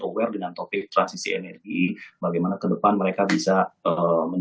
khususnya itu hanya nilai sampai beberapa triliun